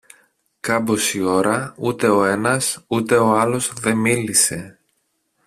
Κάμποση ώρα ούτε ο ένας ούτε ο άλλος δε μίλησε.